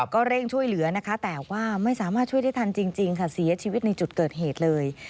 ก็เร่งช่วยเหลือนะคะแต่ว่าไม่สามารถช่วยได้ทันจริงค่ะเสียชีวิตในจุดเกิดเหตุเลย